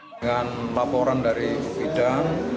dengan laporan dari bidang